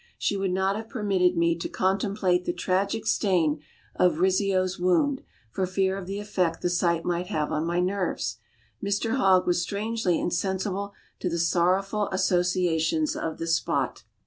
She would not have permitted me to contemplate the tragic stain of Rizzio's wound, for fear of the effect the sight might have on my nerves. Mr Hogg was strangely insensible to the sorrowful associations of the spot.